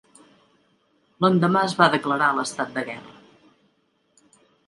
L'endemà es va declarar l'estat de guerra.